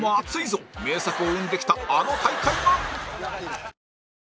名作を生んできたあの大会が